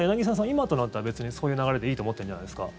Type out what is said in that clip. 今となっては別にそういう流れでいいと思ってるんじゃないですか？